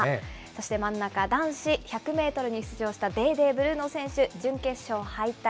そして真ん中、男子１００メートルに出場したデーデーブルーノ選手、準決勝敗退。